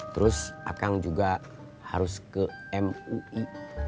terus akang juga harus ke mui